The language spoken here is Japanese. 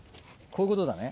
こういうことだね。